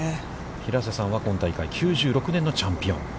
平瀬さんは、今大会９６年のチャンピオン。